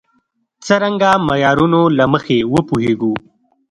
څرنګه معیارونو له مخې وپوهېږو.